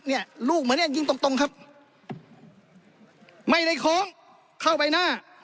เนี่ยลูกเหมือนเนี้ยยิงตรงครับไม่ได้คล้องเข้าไปหน้า